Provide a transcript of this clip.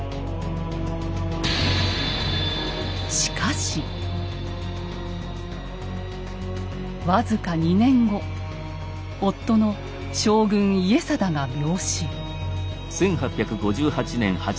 しかし僅か２年後夫の将軍・家定が病死。